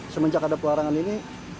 semenjak ada pelarangan ini